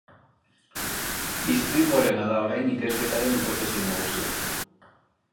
Istripuarena da orain ikerketaren hipotesi nagusia.